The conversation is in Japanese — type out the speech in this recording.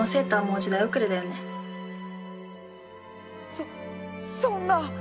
そそんな。